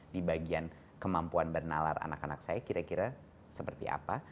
di bagian kemampuan bernalar anak anak saya kira seperti apa